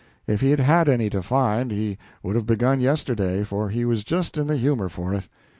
If he had had any to find, he would have begun yesterday, for he was just in the humor for it.